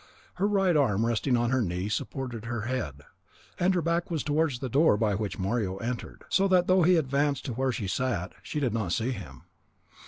Her right arm resting on her knee supported her head, and her back was towards the door by which Mario entered, so that though he advanced to where she sat, she did not see him.